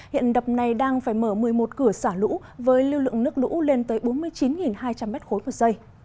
hiện đập này đang phải mở một mươi một cửa xả lũ với lưu lượng nước lũ lên tới bốn mươi chín hai trăm linh m ba một giây